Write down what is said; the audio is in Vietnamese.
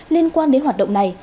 liên quan đến hoạt động này